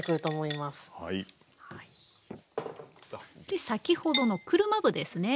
で先ほどの車麩ですね